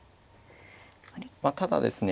ただですね